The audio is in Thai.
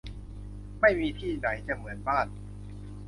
ไม่มีที่ไหนจะเหมือนบ้าน